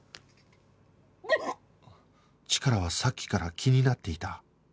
チカラはさっきから気になっていた